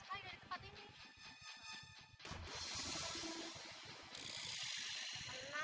ada api ya